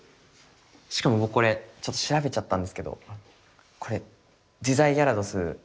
しかも僕これちょっと調べちゃったんですけどこれ「自在ギャラドス」。